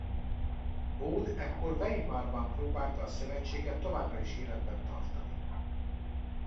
Bode ekkor Weimarban próbálta a szövetséget továbbra is életben tartani.